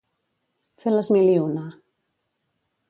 Fer les mil i una.